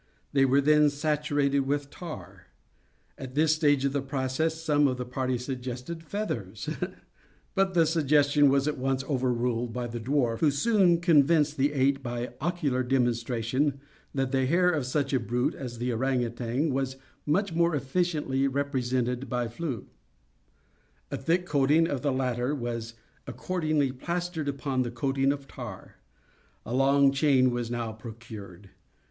They were then saturated with tar. At this stage of the process, some one of the party suggested feathers; but the suggestion was at once overruled by the dwarf, who soon convinced the eight, by ocular demonstration, that the hair of such a brute as the ourang outang was much more efficiently represented by flax. A thick coating of the latter was accordingly plastered upon the coating of tar. A long chain was now procured.